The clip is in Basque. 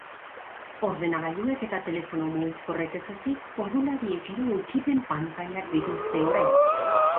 Ordenagailuek eta telefono mugikorrek ez ezik, ordulariek ere ukipen-pantailak dituzte orain.